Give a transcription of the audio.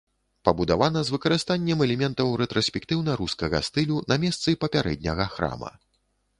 Пабудавана з выкарыстаннем элементаў рэтраспектыўна-рускага стылю на месцы папярэдняга храма.